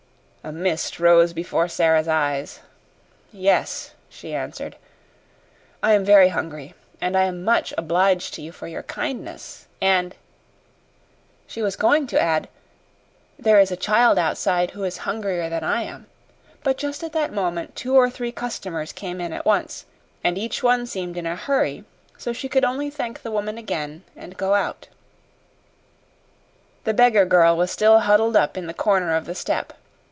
A mist rose before Sara's eyes. "Yes," she answered. "I am very hungry, and I am much obliged to you for your kindness; and" she was going to add "there is a child outside who is hungrier than I am." But just at that moment two or three customers came in at once, and each one seemed in a hurry, so she could only thank the woman again and go out. The beggar girl was still huddled up in the corner of the step.